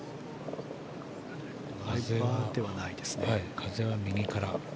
風は右から。